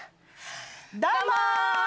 どうもー。